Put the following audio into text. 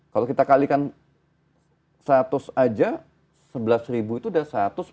kalau kita kalikan seratus aja sebelas ribu itu udah satu ratus sepuluh